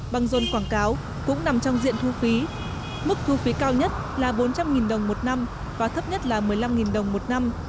bằng dồn quảng cáo cũng nằm trong diện thu phí mức thu phí cao nhất là bốn trăm linh đồng một năm và thấp nhất là một mươi năm đồng một năm